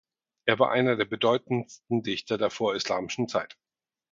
Er war einer der bedeutendsten Dichter der vorislamischen Zeit.